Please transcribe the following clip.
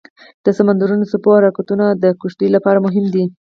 د سمندرونو څپو حرکتونه د کشتیو لپاره مهم دي.